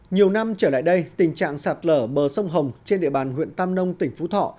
nhiều năm trở lại đây tình trạng sạt lở bờ sông hồng trên địa bàn huyện tam nông tỉnh phú thọ